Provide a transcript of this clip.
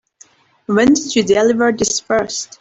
When did you deliver this first?